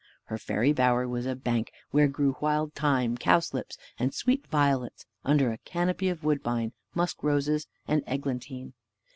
Her fairy bower was a bank, where grew wild thyme, cowslips, and sweet violets, under a canopy of woodbine, musk roses, and eglantine.